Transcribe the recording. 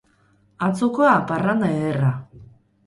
Atzokoa, parranda ederra.